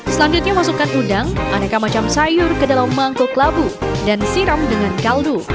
selanjutnya masukkan udang aneka macam sayur ke dalam mangkuk labu dan siram dengan kaldu